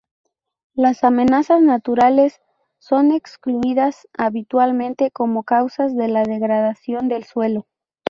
Las amenazas naturales son excluidas habitualmente como causas de la degradación del suelo.